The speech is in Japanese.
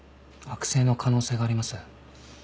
悪性の可能性があります。